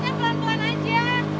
jalannya pelan pelan aja